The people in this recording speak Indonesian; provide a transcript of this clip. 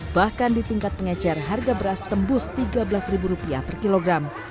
bahkan di tingkat pengejar harga beras tembus tiga belas rupiah per kilogram